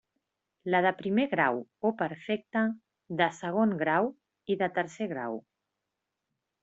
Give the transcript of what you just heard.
La de primer grau o perfecta, de segon grau i de tercer grau.